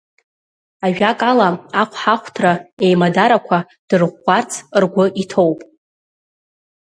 Ажәакала, ахәаҳахәҭра еимадарақәа дырӷәӷәарц ргәы иҭоуп.